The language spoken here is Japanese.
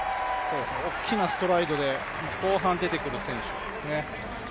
大きなストライドで後半出てくる選手ですね。